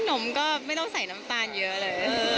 นมก็ไม่ต้องใส่น้ำตาลเยอะเลย